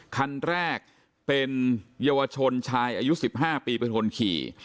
คันแรกเป็นเยาวชนชายอายุ๑๕ปีเป็นคนขี่